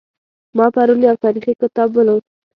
ما پرون یو تاریخي کتاب ولوست